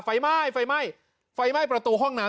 ไฟไหม้ไฟไหม้ไฟไหม้ประตูห้องน้ำ